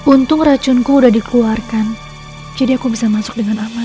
untung racunku udah dikeluarkan jadi aku bisa masuk dengan aman